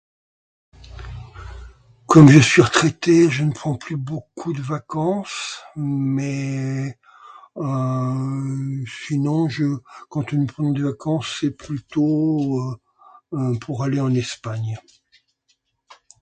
Comme je suis retraité, je ne prends plus beaucoup de vacances. Mais, euh... sinon, je... quand je prends des vacances, c'est plutôt, euh... euh... pour aller en Espagne.